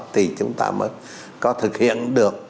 thì chúng ta mới có thực hiện được